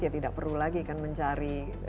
ya tidak perlu lagi kan mencari